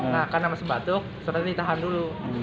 nah karena masih batuk saudaranya ditahan dulu